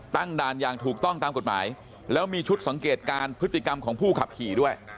ด่านอย่างถูกต้องตามกฎหมายแล้วมีชุดสังเกตการณ์พฤติกรรมของผู้ขับขี่ด้วย